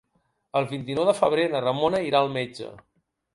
El vint-i-nou de febrer na Ramona irà al metge.